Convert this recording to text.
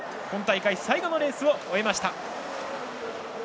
今大会最後のレースを終えました。